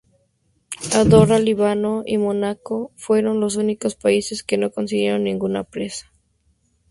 Andorra, Líbano y Mónaco fueron los únicos países que no consiguieron ninguna presea.